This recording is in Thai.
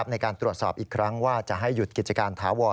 ในการตรวจสอบอีกครั้งว่าจะให้หยุดกิจการถาวร